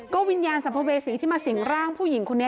วิญญาณสัมภเวษีที่มาสิงร่างผู้หญิงคนนี้